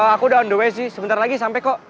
aku udah on the way sih sebentar lagi sampai kok